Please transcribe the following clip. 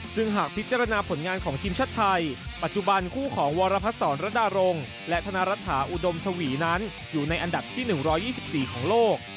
ซึ่งหากพิจารณาผลงานของทีมชาติไทยปัจจุบันคู่ของวรพัฒนศรรดารงและธนรัฐาอุดมชวีนั้นอยู่ในอันดับที่๑๒๔ของโลก